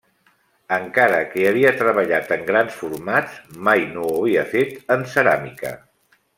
Encara que havia treballat en grans formats, mai no ho havia fet en ceràmica.